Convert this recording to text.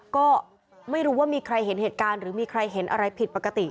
ก็ไม่รู้ว่ามีใครเห็นเหตุการณ์หรือมีใครเห็นอะไรผิดปกติ